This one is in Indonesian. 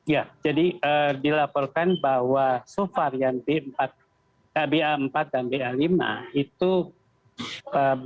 ya jadi dilaporkan bahwa suvarian b empat b empat dan b lima itu mampu melakukan istirahat